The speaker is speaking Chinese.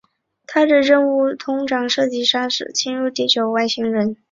他的任务通常涉及杀死侵入地球的外星人。